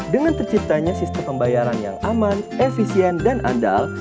dengan terciptanya sistem pembayaran yang aman efisien dan andal